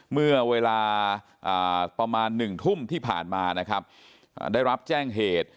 เมื่อเวลาประมาณ๑ทุ่มที่ผ่านมานะครับได้รับแจ้งเหตุ